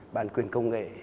bàn quyền công nghệ